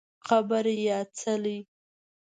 قبر یا څلی